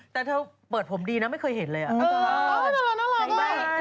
แต่เธอเปิดผมดีนะไม่เคยเห็นเลยอ่ะ